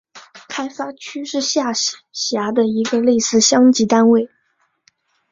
开发区是下辖的一个类似乡级单位。